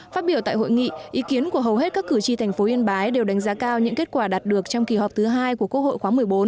phát biểu tại hội nghị ý kiến của hầu hết các cử tri thành phố yên bái đều đánh giá cao những kết quả đạt được trong kỳ họp thứ hai của quốc hội khóa một mươi bốn